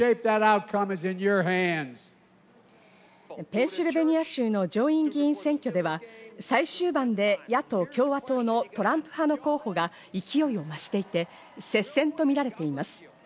ペンシルベニア州の上院議員選挙では、最終盤で野党・共和党のトランプ派の候補が勢いを増していて、接戦とみられています。